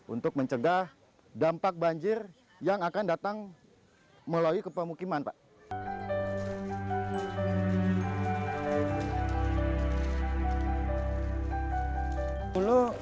untuk mencegah dampak banjir yang akan datang melalui kepemukiman pak